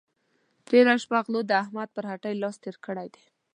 تېره شه غلو د احمد پر هټۍ لاس تېر کړی دی.